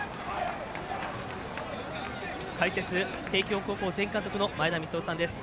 解説、帝京高校前監督の前田三夫さんです。